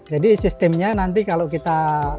jadi sistemnya nanti kalau kita